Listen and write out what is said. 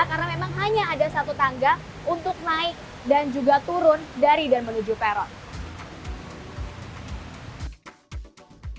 karena memang hanya ada satu tangga untuk naik dan juga turun dari dan menuju peron